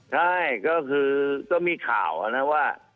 ใช่ก็คือก็มีข่าวนะว่า